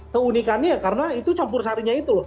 keunikannya karena itu campur sarinya itu loh